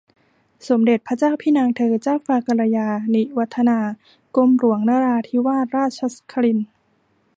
สมเด็จพระเจ้าพี่นางเธอ เจ้าฟ้ากัลยาณิวัฒนา กรมหลวงนราธิวาสราชครินทร์